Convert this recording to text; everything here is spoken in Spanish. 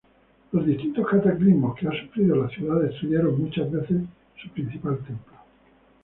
Los distintos cataclismos que ha sufrido la ciudad destruyeron muchas veces su principal templo.